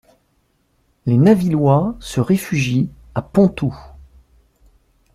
Les Navillois se réfugient à Pontoux.